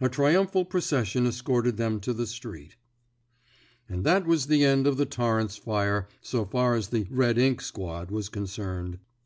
A triumphal procession escorted them to the street. And that was the end of the Torrance fire, so far as the red ink squad" was concerned.